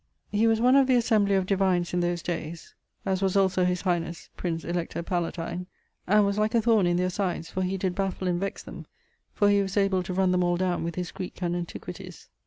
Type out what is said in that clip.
He was one of the assembly of divines in those dayes (as was also his highnesse ... Prince Elector Palatine[BP]), and was like a thorne in their sides; for he did baffle and vexe them; for he was able to runne them all downe with his Greeke and antiquities.